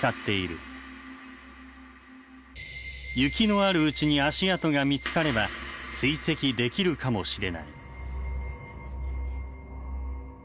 雪のあるうちに足跡が見つかれば追跡できるかもしれない。